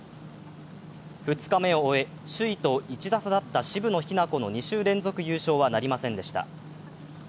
２日目を終え、首位と１打差だった渋野日向子の２週連続優勝はなりませんでした。